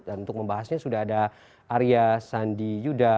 dan untuk membahasnya sudah ada arya sandi yuda